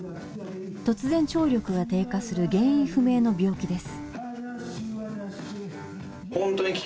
突然聴力が低下する原因不明の病気です。